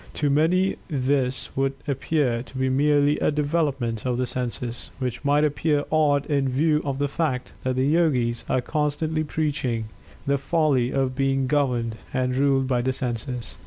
To many this would appear to be merely a development of the Senses, which might appear odd in view of the fact that the Yogis are constantly preaching the folly of being governed and ruled by the senses.